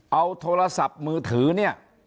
เอาโทรศัพท์มือถือ